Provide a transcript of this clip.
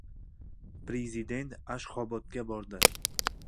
Prezident Ashxobodga boradi